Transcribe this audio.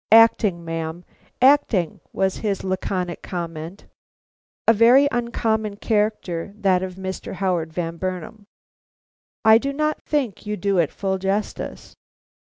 "Acting, ma'am, acting!" was his laconic comment. "A very uncommon character, that of Mr. Howard Van Burnam. I do not think you do it full justice."